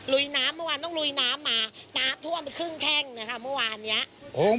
ลุยน้ำเมื่อวานต้องลุยน้ำมาน้ำท่วมไปครึ่งแข้งนะคะเมื่อวานเนี้ยโอ้